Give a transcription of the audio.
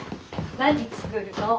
何作るの？